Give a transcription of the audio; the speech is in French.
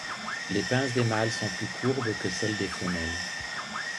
Les pinces des mâles sont plus courbes que celles des femelles.